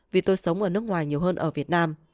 vì tôi sống ở nước ngoài nhiều hơn ở việt nam